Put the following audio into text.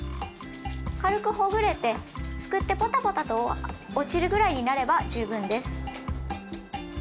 軽くほぐれてすくってポタポタと落ちるぐらいになれば十分です。